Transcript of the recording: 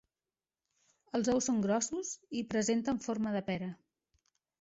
Els ous són grossos i presenten forma de pera.